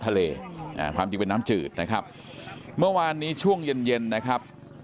ทะเลเถิดนะครับเมื่อวานนี้ช่วงเย็นเย็นนะครับ